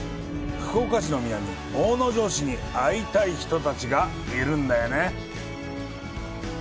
福岡市の南、大野城市に会いたい人たちがいるんだよね。